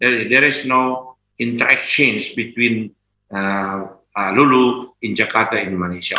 tidak ada inter penggaraan antara lulu di jakarta di malaysia